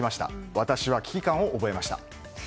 私は危機感を覚えました。